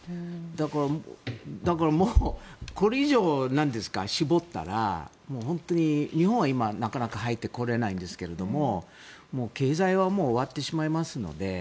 だから、もうこれ以上絞ったら本当に日本はなかなか入ってこれないんですけど経済はもう終わってしまいますので。